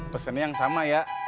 pesen yang sama ya